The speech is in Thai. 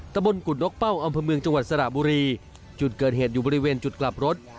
ตะบนกุฎนกเป้าอำเภอเมืองจังหวัดสระบุรีจุดเกิดเหตุอยู่บริเวณจุดกลับรถ